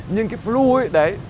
nhưng cái flu ấy